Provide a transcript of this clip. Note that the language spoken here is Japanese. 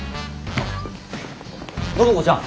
暢子ちゃん